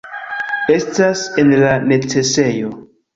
Estas en la necesejo!